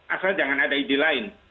asal jangan ada ide lain